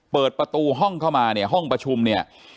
เปิดประตูห้องเข้ามาเนี่ยห้องประชุมเนี่ย